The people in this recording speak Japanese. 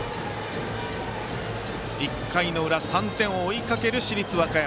１回の裏、３点を追いかける市立和歌山。